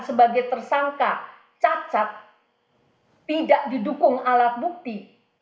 sebagai tersangka cacat tidak didukung alat bukti